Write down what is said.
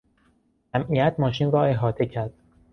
جمعیت ماشین را احاطه کرد.